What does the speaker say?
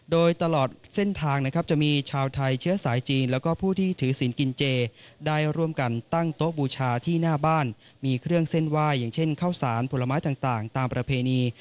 โดยตลอดเส้นทางนะครับจะมีชาวไทยเชื้อสายจีนแล้วก็ผู้ที่ถือศีลกินเจได้ร่วมกันตั้งโต๊ะบูชาที่หน้าบ้านมีเครื่องเส้นไหว้อย่างเช่นข้าวสารผลไม้ต่างตามประเพณี